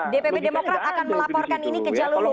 dpp demokrat akan melaporkan ini ke jalur hukum